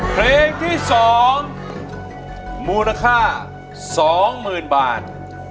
เพลงที่สองมูลค่าสองหมื่นบาท